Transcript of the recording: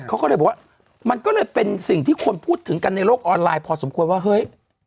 เขาก็เลยบอกว่ามันก็เลยเป็นสิ่งที่คนพูดถึงกันในโลกออนไลน์พอสมควรว่าเฮ้ย